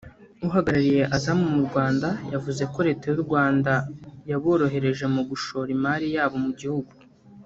uhagarariye Azam mu Rwanda yavuze ko leta y’u Rwanda yaborohereje mu gushora imari yabo mu gihugu